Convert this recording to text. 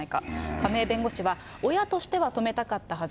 亀井弁護士は、親としては止めたかったはず。